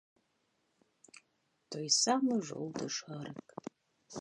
Той самы жоўты шарык!